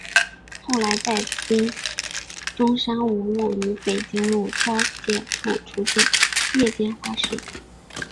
后来在今中山五路与北京路交界处出现夜间花市。